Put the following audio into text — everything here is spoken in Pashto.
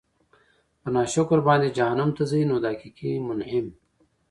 په ناشکر باندي جهنّم ته ځي؛ نو د حقيقي مُنعِم